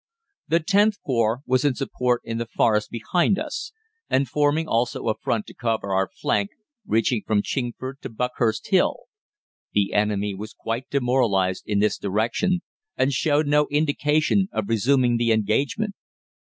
"The Xth Corps was in support in the Forest behind us, and forming also a front to cover our flank, reaching from Chingford to Buckhurst Hill. The enemy was quite demoralised in this direction, and showed no indication of resuming the engagement.